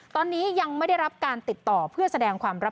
ตอนนี้ยังไม่ได้รับการติดต่อเพื่อแสดงความรับ